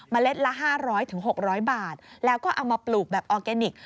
เล็ดละ๕๐๐๖๐๐บาทแล้วก็เอามาปลูกแบบออร์แกนิค